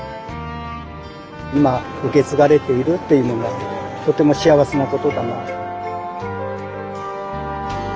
今受け継がれているっていうのがとても幸せなことだな。